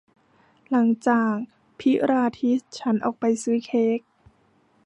หลังจากพิลาทิสฉันออกไปซื้อเค้ก